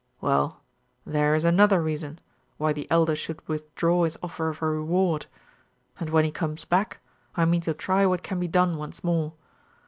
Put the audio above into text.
"Well, there is another reason why the Elder should withdraw his offer of a reward, and when he comes back, I mean to try what can be done once more.